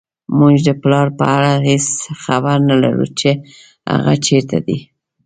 موږ د پلار په اړه هېڅ خبر نه لرو چې هغه چېرته دی